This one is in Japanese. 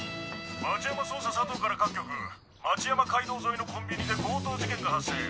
町山捜査佐藤から各局町山街道沿いのコンビニで強盗事件が発生。